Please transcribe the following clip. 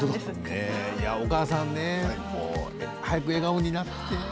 お母さんね早く笑顔になって。